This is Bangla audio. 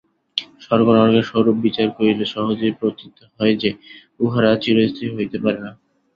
স্বর্গ-নরকের স্বরূপ বিচার করিলে সহজেই প্রতীত হয় যে, উহারা চিরস্থায়ী হইতে পারে না।